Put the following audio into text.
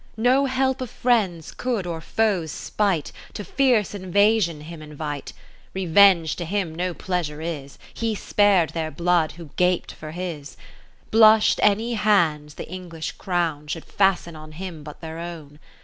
No help of friends could, or foes' spite. To fierce invasion him invite. Revenge to him no pleasure is. He spar'd their blood who gap'd for his ; Blush'd any hands the English Crown Should fasten on him but their own.